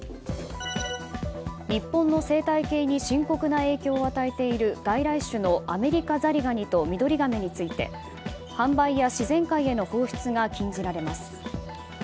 日本の生態系に深刻な影響を与えている外来種のアメリカザリガニとミドリガメについて販売や自然界への放出が禁じられます。